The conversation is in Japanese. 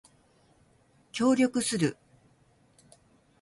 協力する